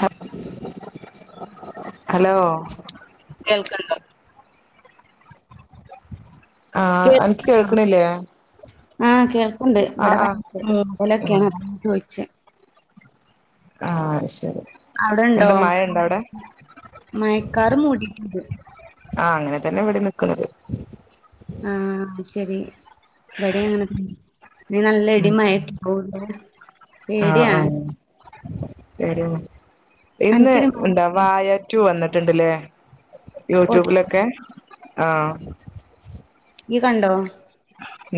ന്ത ഹലോ കേൾക്ക്ണ്ടോ ആഹ് അൻക്ക് കേൾക്ക്ണ്ടോ കേൾക്ക്ണില്ലേ ആഹ് കേൾക്ണ്ട് ഇപടെ പ ഉം ഓലക്കേണ് ചോയ്ച് ആഹ് അത്ശരി എന്താ മയെണ്ടവ്ടെ മയക്കാറ് മൂടിറ്റ്ണ്ട് ആഹ് അങ്ങനെ തന്നെ ഇവിടിം നിക്ക്ണത് ആഹ് ശരി വ്വെടിഅങ്ങനെ ഇഞ് നല്ല ഉം ഇടിം മയക്കെ ഔ എന്തയ്ക്കാരം പേട്യാണ് പേട്യാവോ ഇന്ന് അനക്കിടി എന്താ മഴ വായ റ്റു വന്ന് ട്ട്ണ്ടലേ യൂറ്റൂബ് ലൊക്കെ ആഹ് യ്യ് കണ്ടോ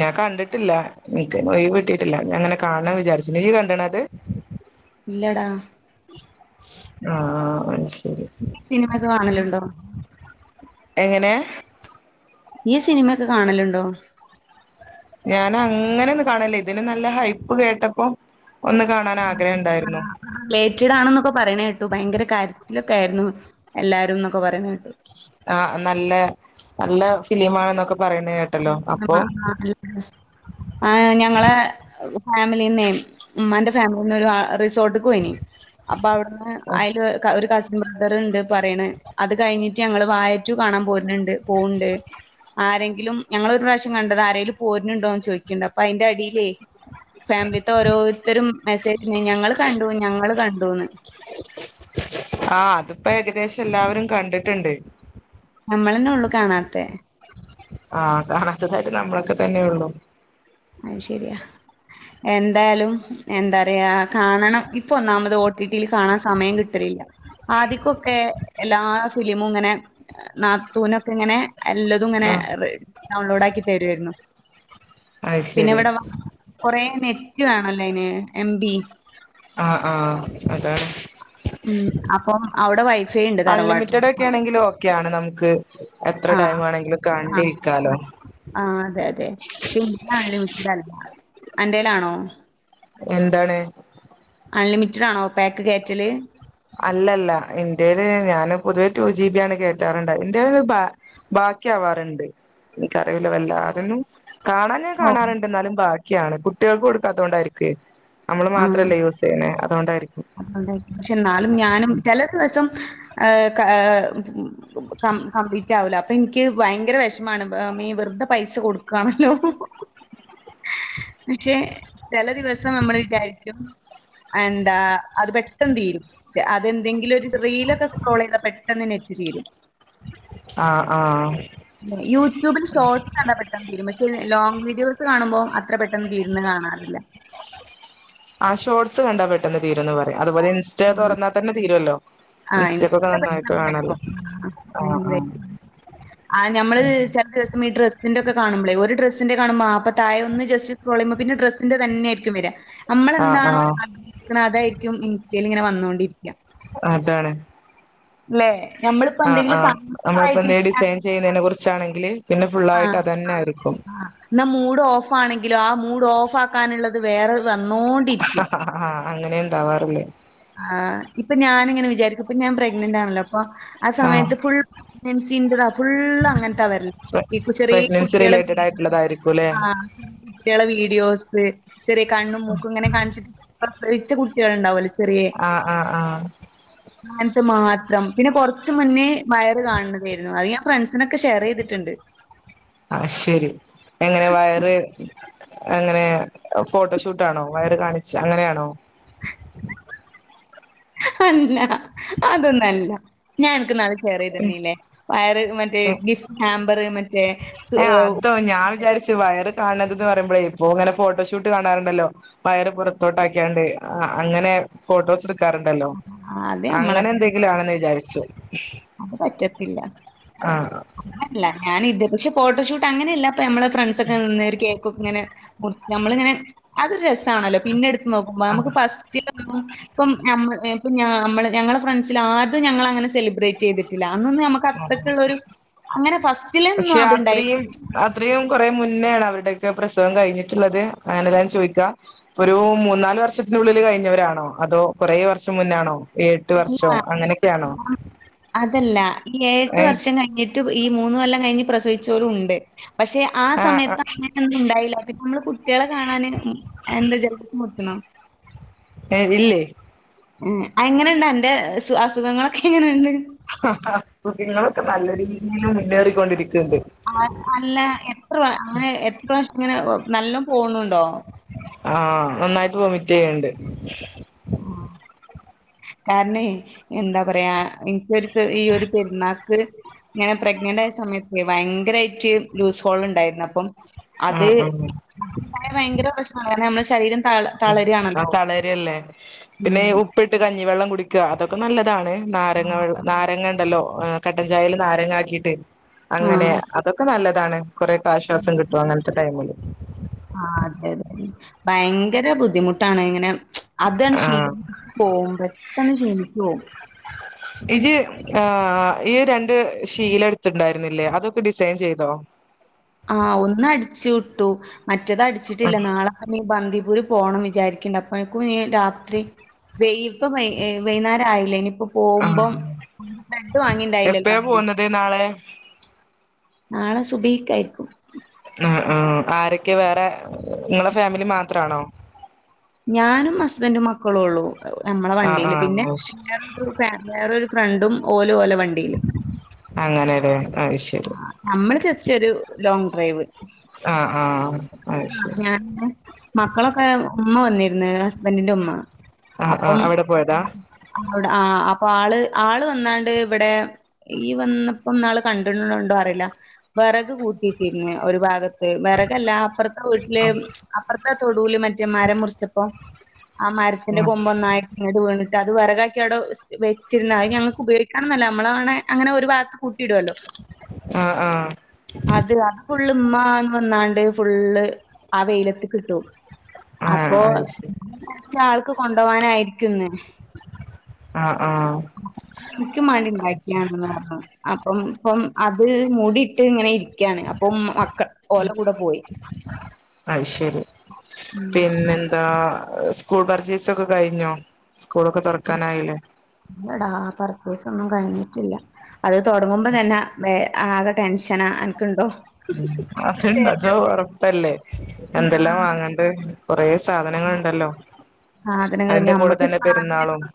ഞാ കണ്ട്ട്ടില്ല എൻക്ക് ഒയ്‌വ്ട്ടിട്ടില്ല ഞാ അങ്ങനെ കാൺണം വിജാരിച്ചു നീയ് കണ്ടണത് ഇല്ലടാ ആഹ് അത്ശരി ത്തിനിമക്കെ കാണല്ണ്ടോ എങ്ങനെ യ് സിനിമക്കെ കാണല്ണ്ടോ ഞാനഅങ്ങനെന്നും കാണല് ഇതിന് നല്ല ഹൈപ്പ് കേട്ടപ്പോ ഒന്ന് കാണാനാഗ്രഹണ്ടായിര്ന്നു ആഹ് ലേറ്റഡാണെന്നൊക്കെ പറിണേ ട്ടു പയങ്കര കാര്ച്ലൊക്കാര്ന്നു എല്ലാരും ന്നൊക്കെ പറിണേട്ടു ആഹ് നല്ല നല്ല ഫിലിമാണെന്നൊക്കെ പറിണേ ആഹ് ആഹ് ആഹ് ഞങ്ങളെ ഫാമിലീന്നേ മ്മാന്റെ ഫാമിലിന്നൊരു ആഹ് തോട്ട് ക്കോയ്നി അപ്പ അവ്ട്ന്ന് ഐൻ്റെ ക ഒര്കഷ് ബ്രദറ്ണ്ട് പറിണ് അത് കയ്ഞ്ഞിറ്റങ്ങള് വായറ്റു കാണാമ്പോര്ന്ണ്ട് പോണ്ട് ആരെങ്കിലും ഞങ്ങള് ഒര് പ്രാശ്യം കണ്ടതാ ആരെേലും പോര്ന്ണ്ടോന്ന് ചോയ്ക്യണ്ട് അപ്പയ്ന്റെ അടീലേ ഫാമിലീത്തെ ഓരോര്ത്തരും മെസേജ് ഞങ്ങള്കണ്ടു ഞങ്ങള്കണ്ടൂന്ന് ആഹ് അത്പ്പേകദേശല്ലാവരും കണ്ട് ട്ട്ണ്ട് നമ്മളെന്നെള്ളു കാണാത്തേ ആഹ് കാണാത്തതായിട്ട് നമ്മളക്കെ തന്നെയൊള്ളു ഐ ശരിയാ എന്തായാലും എന്താറിയാ കാണണം ഇപ്പൊ ഒന്നാമത് ഓട്ടിപില് കാണാൻ സമയം കിട്ടലില്ല ആദിക്കൊക്കെ എല്ലാ ഫിലിമുങ്ങനെ നാത്തൂനൊക്കെ ങ്ങനെ എല്ലതും ങ്ങനെ ആ റട് ഡൗൺലോഡാക്കി തര്യോര്ന്നു അത് പിന്നെ ശരി ഇവടെ വ കൊറെ നെറ്റ് വേണല്ലോയ്ന് എം ബി ആഹ് ആഹ് അതാണ് ഉം അപ്പം അവിടെ വൈഫൈ ഉണ്ട് തറവാട്ടില്. അൺലിമിറ്റഡക്കെണങ്കില് ഓക്കെയാണ് നമുക്ക് എത്ര ആഹ് ടൈം ആണെങ്കിലും ആഹ് കണ്ടിരിക്കാലോ ആഹ് അതെ അതെ പക്ഷെ ഇന്റെ അൺലിമിറ്റഡ് അല്ല അന്റേലാണോ എന്താണ് അൺലിമിറ്റഡ് ആണോ പാക്ക് കേറ്റല് അല്ലല്ല ഇന്റേല് ഞാന് പൊതുവെ ടു ജിബി ആണ് കേറ്റാറുണ്ടായെ ഇന്റെല് ബാ ബാക്കിയാവാറ്ണ്ട് എനിക്കറീല വല്ലാതൊന്നും കാണാൻ ഞാൻ ഓഹ് കാണാറുണ്ട് എന്നാലും ബാക്കിയാണ് കുട്ട്യാൾക്ക് കൊടുക്കാത്തത് കൊണ്ടായിരിക്കേ നമ്മള് മാത്രല്ലേ യൂസ് ചെയ്യ്ന്നേ അതോണ്ടായിരിക്കും അതുകൊണ്ടായിരിക്കും പക്ഷെ ന്നാലും ഞാനും ചെല ദിവസം ഏഹ് കഹ് കം കംപ്ലീറ്റ് ആവൂല അപ്പം ഇൻക്ക് ഭായങ്കര വെഷമാണ് ബ് മ്മേ വെറ്തെ പൈസ കൊടുക്കാണല്ലോ ഇന്നിട്ട് ചെല ദിവസം നമ്മൾ വിചാരിക്കും എന്താ അത് പെട്ടെന്ന് തീരും അതെന്തെങ്കി ഒരു റീലൊക്കെ സ്ക്രോൾ ചെയ്താൽ പെട്ടെന്ന് നെറ്റ് തീരും ആഹ് ആഹ് യൂട്യൂബിൽ ഷോട്ട്സ് കണ്ടാ പെട്ടെന്ന് തീരും പക്ഷേ ലോങ് വീഡിയോസ് കാണുമ്പോം അ അത്ര പെട്ടെന്ന് തീരുന്ന കാണാറില്ല ആഹ ഷോർട്സ് കണ്ടാ പെട്ടെന്ന് തീരുന്ന് പറയും അതുപോലെ ഇൻസ്റ്റ ആഹ്. തുറന്നാ തന്നെ തീരുല്ലോ ആഹ് ഇൻസ്റ്റ പെട്ടന്ന് ആഹ് [unintelligible] ആഹ് ഞമ്മള് ചെല ദിവസം ഈ ഡ്രസ്സ്‌ അതിന്റെക്ക കാണുമ്പളേ ഒരു ഡ്രസ്സിൻന്റെ ന്റെ ഒക്കെ കാണുമ്പളേ അപ്പൊ തായെ ഒന്ന് ജസ്റ്റ്‌ സ്ക്രോൾ ചെയ്യുമ്പോ പിന്നെ ഡ്രസ്സിന്റെ തന്നെരിക്കും വരാ ആഹ് ആഹ് നമ്മളെന്താണോ ആഹ് ആഗ്രഹിക്കുന്നത് അതായിരിക്കും ഇൻസ്റ്റയിൽ ഇങ്ങനെ വന്നോണ്ടിരിക്ക അതാണ് ല്ലെ ഞമ്മൾ ആഹ് ആഹ് നമ്മളിപ്പൊ എന്തേലും ഡിസൈൻ ചെയ്യുന്നതിനെ കുറിച്ചാണെങ്കില് പിന്നെ ഫുള്ളായിട്ട് ആഹ് അതെന്നെ ആയിരിക്കും ആഹ് ഇന്നാ മൂഡ് ഓഫ് ആണെങ്കിലോ ആ മൂഡ് ഓഫ് ആക്കാനുള്ളത് വേറെ വന്നോണ്ടിരിക്കും ഹ് ഹ ഹ ആഹ് അങ്ങനെ ഇണ്ടാവാറ്ള്ളേ ആഹ് ഇപ്പൊ ഞാനിങ്ങനെ വിചാരിക്കും ഇപ്പം ഞാൻ പ്രഗ്നന്റാണല്ലോ അപ്പൊ ആഹ് സമയത്ത് ഫുൾ പ്രഗ്നൻസിന്റതാ ഫുള്ള് അങ്ങൻത്താ വരല് ഇപ്പൊ ചെറീ പ്രഗ്നൻസി കുട്ട്യാള് റിലേറ്റഡ് [unintelligible] ആയിട്ടുള്ളതായിരിക്കുംല്ലേ ആഹ് കുട്ട്യാളെ വീഡിയോസ് ചെറിയ കണ്ണും മൂക്കും ഇങ്ങനെ കാണിച്ചിട്ട് പ്രസവിച്ച കുട്ട്യാളുണ്ടാവൊല്ലൊ ച ആഹ് ആഹ ആഹ അങ്ങനത്തെ മാത്രം പിന്നെ കൊറച്ച് മുന്നേ വയറ് കാണ്തേരുന്നു അത് ഞാൻ ഫ്രണ്ട്സിനൊക്കെ ഷെയർ ചെയ്തിട്ട്ണ്ട് ആഹ് ശരി എങ്ങനെ വയറ് എങ്ങനെ ഫോട്ടോഷൂട്ടാണോ വയറ് കാണിച്ച് അങ്ങനെ ആണോ അല്ല അതൊന്നല്ല ഞാൻ അനക്ക് ഇന്നാള് ഷെയറ് ചെയ്ത് തന്നില്ലേ വയറ് മറ്റേ ഗിഫ്റ്റ് ഹാമ്പർ മറ്റേ സ് ഏഹ് അതോ ഞാൻ വിചാരിച്ചു വയറ് കാണണതന്ന് പറയുമ്പളെ ഇപ്പൊ ഇങ്ങനെ ഫോട്ടോഷൂട്ട് കാണാറ്ണ്ടല്ലോ വയറ് പുറത്തോട്ടാക്കിയാണ്ട് ആഹ് അങ്ങനെ ഫോട്ടോസ് എട് ക്കാറുണ്ടല്ലോ അത് നമ്മളെ അങ്ങനെന്തെങ്കിലും ആണെന്ന് വിചാരിച്ച് അത് പറ്റത്തില്ല ആഹ് അങ്ങനെയല്ല ഞാൻ ഇത് പക്ഷെ ഫോട്ടോഷൂട്ട് അങ്ങനെയല്ല ഇപ്പ ഞമ്മളെ ഫ്രണ്ട്സ് ഒക്കെ നിന്ന് ഒരു കേക്കൊക്കെ ഇങ്ങനെ മുറി നമ്മളിങ്ങനെ അതൊരു രസാണല്ലോ പിന്നെ എടുത്ത് നോക്കുമ്പോ ആഹ് നമുക്ക് ഫസ്റ്റിലൊന്നും ഇപ്പം ഞമ്മ ഞമ്മള് ഞങ്ങളെ ഫ്രണ്ട്സിൽ ആര്തും ഞങ്ങള് അങ്ങനെ സെലിബ്രേറ്റ് ചെയ്തിട്ടില്ല അന്നൊന്നും ഞമ്മക്ക് അത്രയ്ക്കുള്ളരു അങ്ങനെ ഫസ്റ്റില് ഒന്നും പക്ഷെ അത്ണ്ടായില്ല അത്രയും അത്രയും കുറേ മുന്നേണ് അവരുടെയൊക്കെ പ്രസവം കഴിഞ്ഞിട്ടുള്ളത് അങ്ങനെ ഞാൻ ചോയിക്കാ ഒരു മൂന്നാല് വർഷത്തിനുള്ളില് കഴിഞ്ഞവരാണോ അതോ കുറേ വർഷം മുന്നാണോ എഴെട്ട് വർഷം അങ്ങനെക്കെ ആണോ ആഹ്. അതല്ല ഈ ഏഴ് എട്ട് വർഷം കഴിഞ്ഞി ട്ട് ഈ മൂന്ന് കൊല്ലാം കഴിഞ്ഞ് പ്രസവിച്ചോലും ഉണ്ട് പക്ഷെ ആ ആഹ് സമയത്ത് ആഹ് അങ്ങ നൊന്നും ഉണ്ടായില്ല പിന്നെ നമ്മള് കുട്ടികളെ കാണാൻ എന്താ [unintelligible] മുക്കണം ഏഹ് ഇല്ലേ ഉം എങ്ങനെയുണ്ട് അന്റെ അസുഖങ്ങളൊക്കെ എങ്ങനെയുണ്ട് അസുഖങ്ങളൊക്കെ നല്ല രീതിൽ മുന്നേറിക്കൊണ്ടിരിക്ക്ണ്ട് ആഹ് അല്ല എത്ര അങ്ങനെ എത്ര പ്രാവശ്യം ഇങ്ങനെ നല്ലോ പോണുണ്ടോ ആഹ് നന്നായിട്ട് വൊമിറ്റെയ്യണ്ട് ആഹ് കാരണേ എന്താ പറയാ എനിക്കൊരു ഈ ഒരു പെരുന്നാക്ക് ഇങ്ങനെ പ്രഗ്നന്റ് ആയ സമയത്ത് ഭയങ്കരായിട്ട് ലൂസ് ഹോൾ ഉണ്ടായിരുന്നു അപ്പം അത് ആഹ് ആഹ് ഉണ്ടായ ഭയങ്കര പ്രശ്ന കാരണം നമ്മളെ ശരീരം തള ഉം ആഹ് തളരാണല്ലോ. തളരല്ലേ ഉം. പിന്നെ ഉപ്പിട്ട് കഞ്ഞിവെള്ളം കുടിക്കുക അതൊക്കെ നല്ലതാണ് നാരങ്ങ വെ നാരങ്ങ ഉണ്ടല്ലോ കട്ടൻചായേൽ നാരങ്ങ ആക്കിട്ട് ആ. അങ്ങനെ അതൊക്കെ നല്ലതാണ് കൊറെക്കെ ആശ്വാസം കിട്ടും അങ്ങനത്തെ ടൈമില് ആഹ് അതെതെ ഭയങ്കര ബുദ്ധിമുട്ടാണ് ഇങ്ങനെ അതാണ് ആഹ് ക്ഷീണി പോവും പെട്ടെന്ന് ക്ഷീണിച്ച് പോവും ഇത് ആഹ് ഈ രണ്ട് ഷീല എടുത്തിണ്ടായിരുന്നില്ലേ അതൊക്കെ ഡിസൈൻ ചെയ്തോ ആഹ് ഒന്ന് അടിച്ചു ഇട്ടു മറ്റത് അടിച്ചിട്ടില്ല നാളെ നി ബന്ദിപൂര് പോണം വിചാരിക്ക്ണ്ട് അപ്പഴേക്കും ഇനി രാത്രി വയ് ഇപ്പ വയ് വൈകുന്നേരയില്ലേ ഇനിപ്പോ ആഹ് പോവുമമ്പം [unintelligible] വാങ്ങിണ്ടായില്ലല്ലോ എപ്പഴാ അന്ന് പോകുന്നത് നാളെ നാളെ സുബീക്കാരി ഉം ഉം ആരൊക്കെ വേറെ നിങ്ങളെ ഫാമിലി മാത്രണോ ഞാനും ഹസ്ബന്റും മക്കളും ഉള്ളു നമ്മള ആഹ് വണ്ടിയില് പിന്നെ ആഹ് വേറൊരു ഫ വേറൊരു ഫ്രണ്ടും ഒലും ഒല വണ്ടിയില് അങ്ങനെല്ലേ അത് ശരി നമ്മള് ജസ്റ്റ്‌ ഒരു ലോങ്ങ്‌ ഡ്രൈവ് ആഹ് ആഹ് അത് ശരി [unintelligible] മക്കളൊക്കെ ഉമ്മ വന്നിരുന്നു ഹസ്ബൻന്റിന്റെ ഉമ്മ ആഹ് അപ്പം ആഹ് അവിടെ പോയതാ അവിട ആഹ് അപ്പൊ ആള് ആള് വന്നാണ്ട് ഇവിടെ ഇയ്യ് വന്നപ്പം ഇന്നാള് കണ്ടിട്ടുണ്ടോ അറിയില്ല വിറക് കൂട്ടിയിട്ടിരുന്ന് ഒരു ഭാഗ ത്ത് വിറകല്ല അപ്പുറത്തെ വീട്ടില് ആഹ് അപ്പുറത്തെ തൊടുല് മറ്റേ മരം മുറിച്ചപ്പോ ആ മരത്തിന്റെ കൊമ്പ് ഒന്നായിട്ട് ഇങ്ങട് വീണിട്ട് അത് വിറകാക്കി അവിടെ വെച്ചിരുന്ന അത് ഞങ്ങക്ക് ഉപയോഗി [unintelligible] നമ്മളാണെ അങ്ങനെ ഒരു ഭാഗത്ത് കൂട്ടിയിടുവല്ലോ ആഹ് ആഹ് അത് അ ഫുള്ളും ഉമ്മന്ന് വന്നാണ്ട് ഫുള്ള് ആ വെയിലത്തിക്കിട്ടു ആഹ് അപ്പൊ ആഹ് അത് ശരി [inaudible] ആൾക്ക് കൊണ്ടുപോകാനയിരിക്കുന്ന് ആഹ് ആഹ് ക്കും വേണ്ടി ഉണ്ടാക്കിയണെന്ന് പറഞ്ഞു അപ്പം ഇപ്പം അത് മൂടിയിട്ട് ഇങ്ങനെ ഇരിക്കാണ് അപ്പം മക്കൾ ഒല കൂടെ പോയി അയ്ശെരി ഉം പിന്നെന്താ സ് കൂൾ പർച്ചേസൊക്കെ കഴിഞ്ഞോ സ്കൂളൊക്കെ തുറക്കാനായില്ലേ ഇല്ലടാ പർച്ചെയ്‌സ് ഒന്നും കഴിഞ്ഞിട്ടില്ല അത് തൊടങ്ങുമ്പം തന്ന ആകെ ടെൻഷനാ അനക്ക്ണ്ടോ ഉം അതെന്താച്ചാ തരണം പുറത്തല്ലേ എന്തെല്ല ആഹ് വാങ്ങണ്ട് കുറേ സാധനങ്ങൾ ഉണ്ടല്ലോ സാധനങ്ങൾ ഞമ്മക്ക് പെരുന്നാളും സാധനങ്ങള്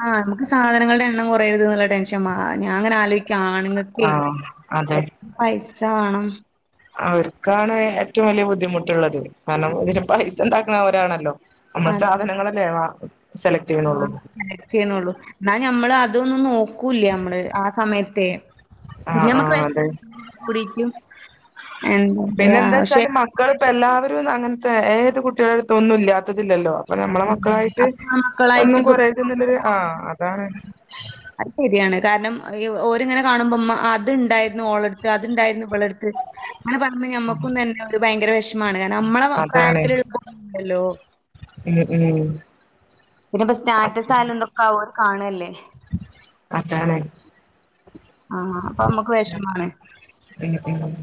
ആഹ് മ്മുക്ക് സാധനങ്ങളുടെ എണ്ണം കുറയരുത് എന്നുള്ള ടെൻ [unintelligible] ഞാൻ ഇങ്ങനെ ആലോയിക്കും ആണുങ്ങക്കെ ആഹ് അതെ എത്ര പൈസ വേണം അവർക്കാണ് ഏറ്റവും വലിയ ബുദ്ധിമുട്ടുള്ളത് കാരണം ഇതിന് പൈസ ഉണ്ടാക്കുന്ന അവരാണല്ലോ നമ്മള് അത് സാധനങ്ങളല്ലേ വാ സെലക്ട് ആഹ് ചെയ്യണുള്ളൂ കളക്റ്റ് ചെയ്യ്ണൊള്ളൂ എന്നാ ഞമ്മൾ അതൊന്ന് നോ ക്കൂല്ല്യ നമ്മള് ആ സമയത്തെ പിന്നെ ആഹ് നമ്മുക്ക് ആഹ് അതെ വിഷമം [inaudible] കൂടിട്ട് എന്താ പറയാ പക്ഷെ മക്കളിപ്പ എല്ലാവരും അങ്ങനത്തെ ഏത് കുട്ടികളടുത്തും ഒന്നും ഇല്ലാത്തതില്ലല്ലോ അപ്പൊ നമ്മളെ മക്കളായിട്ട് അപ്പ ഒന്നും മക്കളായിട്ട് പ് കൊറെയരുത് ന്ന്ള്ളൊരു ആഹ് അതാണ് അത് ശെരിയാണ് കാരണം ഓരിങ്ങനെ കാണുമ്പോ മ്മ അത്ണ്ടായിരുന്നു ഓളെടുത്ത് അത്ണ്ടായിരുന്നു ഇവളെടുത്ത് [inaudible] അങ്ങനെ പറുമ്പോ ഞമ്മക്കും തന്നെ ഒരു ഭയങ്കര വെഷമാണ് കാരണം നമ്മളെ അതാണ് പ്രായത്തിൽ ഉൾക്കാ [unintelligible] ണ്ടല്ലോ ഉം ഉം പിന്നെ ഇപ്പ സ്റ്റാറ്റസ് ആയാലും ഇതോക്കെ ഓര് കാണല്ലേ അതാണ് ആഹ് അപ്പൊ നമ്മക്ക് വെഷമാണ് ഉം ഉം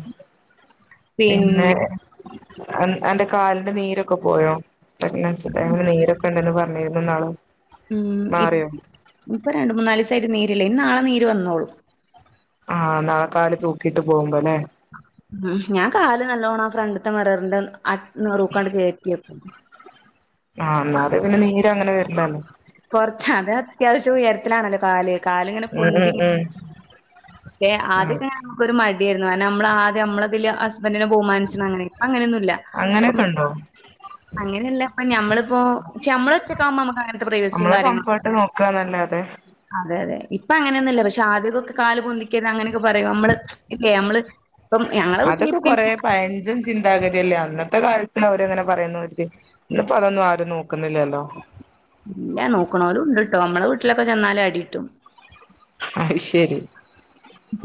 പിന്നെ അൻ അന്റെ കാലിന്റെ നീരൊക്കെ പോയോ പിന്നെ കാലുമ്മേ നീരൊക്കെ ഉണ്ടന്ന് പറഞ്ഞിരുന്നുന്നാള് ഉം ഇ ഇപ്പൊ രണ്ട് മൂന്നാലീസായിട്ട് നീരില്ല ഇനി നാളെ നീര് വന്നോളും ആഹ് നാളെ കാല് തൂക്കിട്ട് പോകുമ്പോല്ലേ ഉം ഞാൻ കാല് നല്ലോണ്ണം ആഹ് ഫ്രൻ്റ്ത്തെ മിററിൻ്റെ അഹ് നെറൂക്കാണ്ട് കേറ്റിക്കും ആഹ് എന്നാലും അത് പിന്നെ നീരങ്ങനെ വരില്ലല്ലോ കൊറച്ച അത് അത്യാവശ്യം ഉയരത്തിലാണല്ലോ കാല് കാലിങ്ങനെ ഉം ഉം പൊന്തിങ്ങ ഉം ലെ ഉം ആദ്യൊക്കെ നമക്കൊരു മടിയായിരുന്നു കാരണം നമ്മളാദ്യം നമ്മളതില് ഹസ് ബെൻ്റിനെ ബഹുമാനിച്ചണം അങ്ങനെ ഇപ്പ അങ്ങനെന്നുല്ല അങ്ങനെയൊക്കെ ഉണ്ടോ അങ്ങനെയല്ല പ്പ ഞമ്മളിപ്പോ ക്ഷെ നമ്മളൊറ്റക്കാകുമ്പോ നമുക്ക് അങ്ങനത്തെ പ്രൈവസിം കാര്യങ്ങളും ട്ട് നോക്കാന്നല്ലാതെ അതെ അതെ ഇപ്പ അങ്ങനൊന്നുല്ല പക്ഷെ ആദ്യകൊക്കെ കാല് പൊന്തി കത് അങ്ങനെക്കെ പറയും നമ്മള് ഇല്ലേ നമ്മള് ഇപ്പം ഞങ്ങളെ വീട്ടില് അതൊക്കെ ഇപ്പിം കൊറേ പഴഞ്ചൻ ചിന്താഗതിയല്ലേ അന്നത്തെ കാലത്ത് അവരെങ്ങനെ പറയുന്നു ഇന്ന്പ്പോ അതൊന്നും ആരും നോക്കുന്നില്ലല്ലോ ഇല്ല നോക്കണോലും ഉണ്ട്ട്ടോ നമ്മളെ വീട്ടിലൊക്കെ ചെന്നാല് അടികിട്ടും അയ് ശെരി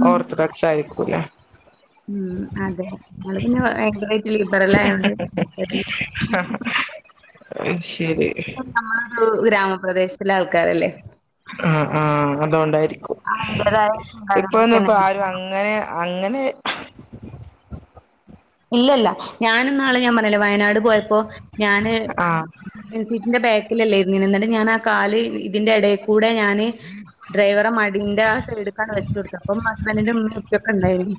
ഉം ഓർത്തഡോക്സായിരിക്കൂല്ലെ ഉം അതെ നിങ്ങള് പിന്നെ ഭയങ്കരമായിട്ട് ലിബറലായോണ്ട് അയ് ശെരി നമ്മളൊരു ഗ്രാമപ്രദേശത്ത്ള്ള ആൾക്കാരല്ലേ ആഹ് ആഹ് അതൊണ്ടായിരിക്കും അതിന്റേതായ ഇപ്പന്ന ഇപ്പ ചിന്താഗതിയൊക്കെന്നെണ്ട്. ആരും അങ്ങനെ അങ്ങനെ ഇല്ലല്ല ഞാൻ ഇന്നാള് ഞാൻ പറഞ്ഞില്ലേ വയനാട് പോയപ്പോ ഞാന് ആഹ് ഫ്രൻ്റ്സീറ്റിന്റെ ബാക്കിലല്ലേ ഇരുന്നീന്ന് എന്നിട്ട് ഞാൻ ആഹ് കാല് ഇതിന്റെ എടേക്കൂടെ ഞാന് ഡ്രൈവറെ മടിന്റെ ആ സൈഡക്കാണ് വെച്ചു കൊടുത്ത് അപ്പം ഹസ്ബൻഡിന്റെ ഉമ്മയും ഉപ്പയൊക്കെ ഉണ്ടായിന്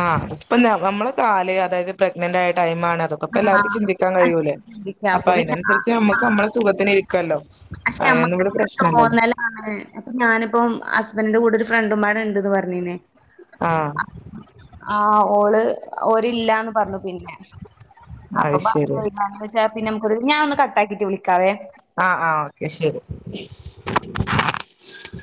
ആഹ് ഉപ്പൊല്ല നമ്മള് കാല് അതായത് പ്രഗ്നന്റ് ആയ ടൈമാണ് അതൊക്കെ അപ്പ എല്ലാർക്കും ആഹ് ചിന്തിക്കാൻ കഴിയൂലേ അപ്പൊ അതിനനുസരിച്ച് നമുക്ക് ആഹ് നമ്മളുടെ സുഖത്തിന് ഇരിക്കല്ലോ പക്ഷെ അതൊന്നും നമ്മക്ക് ഇവിടെ ഓരോ പ്രശ്നല്ലല്ലോ തോന്നല്ല ആണ് അപ്പൊ ഞാനിപ്പം ഹസ്ബൻഡറിന്റെ കൂടെ ഒരു ഫ്രണ്ടും പാടണ്ട്ന്ന് പറഞ്ഞിന് ആഹ് ആഹ് ഓള് ഒരില്ലന്ന് പറഞ്ഞു പിന്നെ അപ്പൊ അത് ശരി പറഞ്ഞു വി [unintelligible] ചാ പിന്നെ നമുക്കൊരു ഞാ ഒന്ന് കട്ടാക്കിട്ട് വിളിക്കാവേ ആഹ് ആഹ് ഓക്കെ ശരി